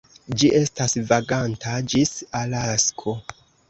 Ĝi estas vaganta ĝis Alasko.